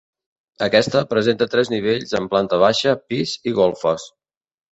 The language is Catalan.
Aquesta, presenta tres nivells amb planta baixa, pis i golfes.